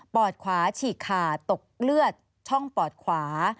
อดขวาฉีกขาดตกเลือดช่องปอดขวา